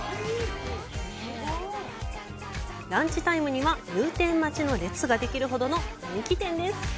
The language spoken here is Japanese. ランチタイムには入店待ちの列ができるほどの人気店です。